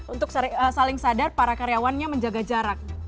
untuk saling sadar para karyawannya menjaga jarak